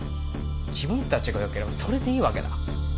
自分たちがよければそれでいいわけだ。